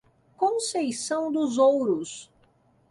Conceição dos Ouros